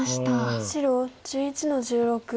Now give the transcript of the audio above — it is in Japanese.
白１１の十六。